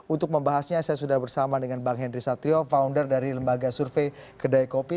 untuk membahasnya saya sudah bersama dengan bang henry satrio founder dari lembaga survei kedai kopi